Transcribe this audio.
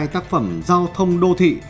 tác phẩm giao thông đô thị